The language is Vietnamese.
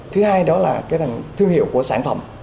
thứ hai đó là cái thành thương hiệu của sản phẩm